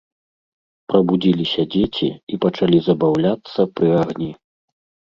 Прабудзіліся дзеці і пачалі забаўляцца пры агні.